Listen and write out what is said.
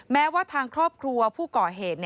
แม้ว่าทางครอบครัวผู้ก่อเหตุ